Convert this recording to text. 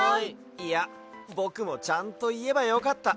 いやぼくもちゃんといえばよかった。